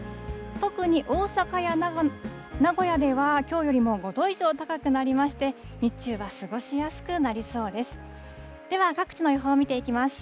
特に大阪や名古屋ではきょうよりも５度以上高くなりまして、日中は過ごしやすくなりそうです。